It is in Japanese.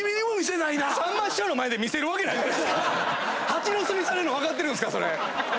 蜂の巣にされるの分かってるんですからそれ。